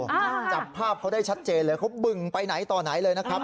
จับภาพเขาได้ชัดเจนเลยเขาบึงไปไหนต่อไหนเลยนะครับ